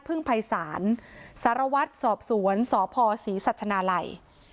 พึ่งภัยศาลสารวัตรสอบสวนสพศรีสัชนาลัย